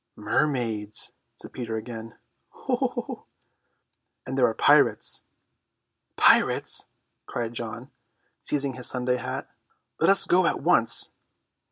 "Mermaids!" said Peter again. "Oo!" "And there are pirates." "Pirates," cried John, seizing his Sunday hat, "let us go at once."